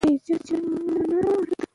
زردالو د افغانستان د ملي اقتصاد یوه برخه ده.